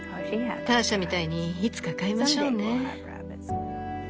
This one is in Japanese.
ターシャみたいにいつか飼いましょうね。